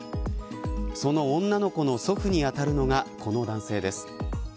その女の子の祖父に当たるのがこの男性です。